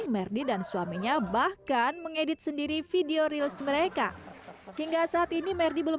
merdi dan suaminya bahkan mengedit sendiri video reals mereka hingga saat ini merdi belum